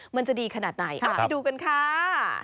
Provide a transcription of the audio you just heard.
มันจะดีขนาดไหนไปดูกันค่ะ